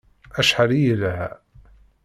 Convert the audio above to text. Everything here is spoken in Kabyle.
Acḥal i yelha!